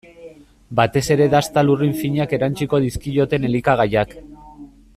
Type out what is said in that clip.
Batez ere dasta eta lurrin finak erantsiko dizkioten elikagaiak.